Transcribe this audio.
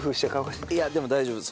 いやでも大丈夫。